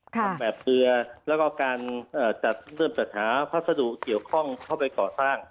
ทำแบบเรือแล้วก็การจัดเริ่มจัดหาพัสดุเกี่ยวข้องเข้าไปก่อสร้าง